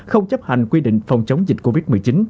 không chấp hành quy định phòng chống dịch covid một mươi chín